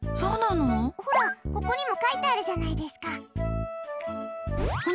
ほら、ここにも書いてあるじゃないですか。